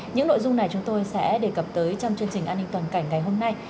những nội dung này chúng tôi sẽ đề cập tới trong chương trình an ninh toàn cảnh ngày hôm nay